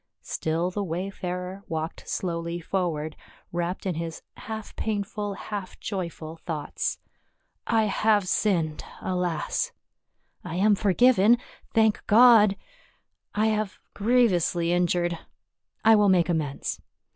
Still the wayfarer walked slowly forward, wrapped in his half painful, half joyful thoughts. " I have sinned, alas !— I am forgiven, thank God ! I have grievously injured — I will make amends.